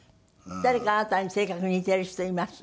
誰かあなたに性格似てる人います？